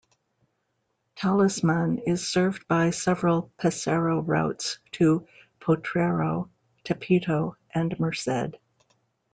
Talisman is served by several Pesero routes to Potrero, Tepito and Merced.